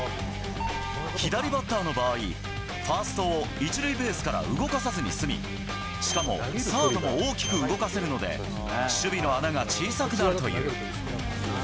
左バッターの場合、ファーストを１塁ベースから動かさずに済み、しかもサードも大きく動かせるので、守備の穴が小さくなるという。